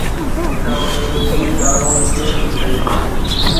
هن وقت مير ڪارون ڪير ٿي سگهي ٿو؟